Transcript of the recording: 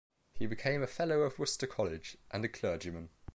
He became a Fellow of Worcester College and a clergyman.